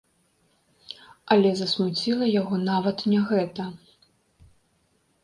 Але засмуціла яго нават не гэта.